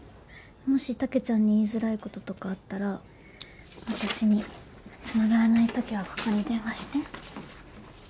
もしたけちゃんに言いづらいこととかあったら私につながらないときはここに電話して。